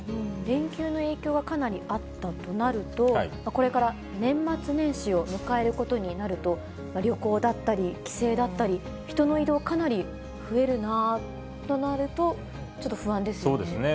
連休の影響がかなりあったとなると、これから年末年始を迎えることになると、旅行だったり、帰省だったり、人の移動、かなり増えるなとなると、ちょっと不安ですよね。